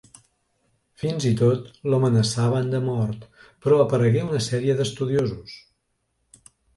Fins i tot l’amenaçaven de mort, però aparegué una sèrie d’estudiosos.